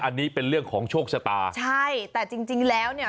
อันนี้เป็นเรื่องของโชคชะตาใช่แต่จริงจริงแล้วเนี่ย